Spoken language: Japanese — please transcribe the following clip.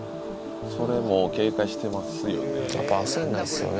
それも警戒してますよね。